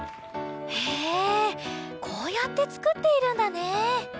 へえこうやってつくっているんだね。